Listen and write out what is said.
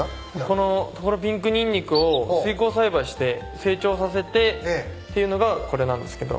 このところピンクにんにくを水耕栽培して成長させてっていうのがこれなんですけど。